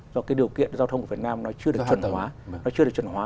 do điều kiện giao thông của việt nam chưa được chuẩn hóa